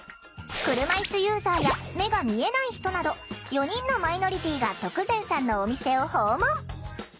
車いすユーザーや目が見えない人など４人のマイノリティーが徳善さんのお店を訪問。